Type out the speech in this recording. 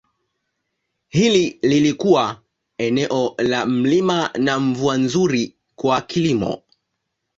Hili lilikuwa eneo la milima na mvua nzuri kwa kilimo.